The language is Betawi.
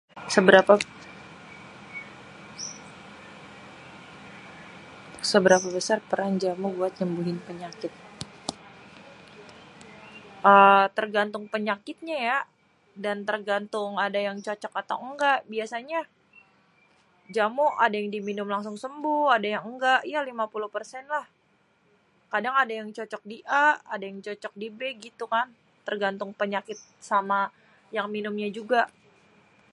Seberapa. Seberapa besar peran jamu untuk nyembuhin penyakit. eee Tergantung penyakitnya yak dan tergantung ada yang cocok atau nggak. Biasanya jamu ada yang diminum langsung sembuh, ada yang nggak. Ya lima puluh persen lah. Kadang ada yang cocok di A, ada yang cocok di B gitu kan. Tergantung penyakit sama yang minumnya juga.